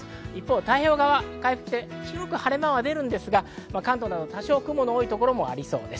太平洋側は回復して、広く晴れ間は出ますが関東など多少、雲の多いところもありそうです。